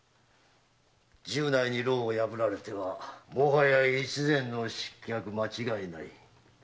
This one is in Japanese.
十内に牢を破られてはもはや越前の失脚は間違いない。